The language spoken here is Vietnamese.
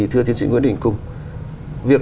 thưa tiến sĩ nguyễn đình cung việc